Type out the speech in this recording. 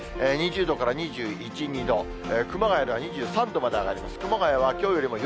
２０度から２１、２度、熊谷では２３度まで上がります。